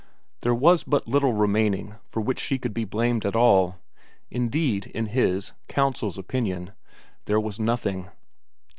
There was but little remaining for which she could be blamed at all indeed, in his, counsel's, opinion, there was nothing.